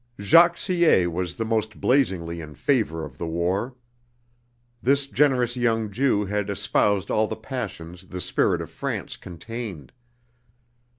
Jacques Sée was the most blazingly in favor of the war. This generous young Jew had espoused all the passions the spirit of France contained.